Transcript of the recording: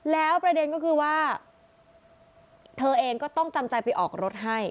แล้วประเด็นก็คือว่าเธอเองก็ต้องจำใจไปออกรถให้